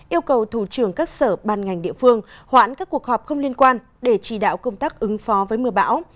yêu cầu thủ trưởng các sở ban ngành địa phương hoãn các cuộc họp không liên quan để chỉ đạo công tác ứng phó với mưa bão